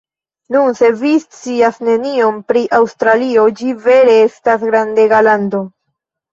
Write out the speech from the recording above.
Nun, se vi scias nenion pri Aŭstralio, ĝi vere estas grandega lando.